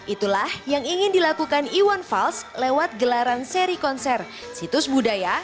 itulah yang ingin dilakukan iwan fals lewat gelaran seri konser situs budaya